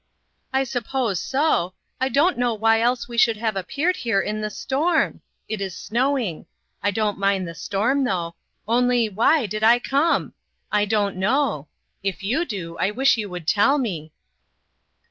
" I suppose so. I don't know why else we should have appeared here in the storm. It is snowing. I don't mind the storm, though ; only, why did I come ? I don't know ; if you do, I wish you would tell me."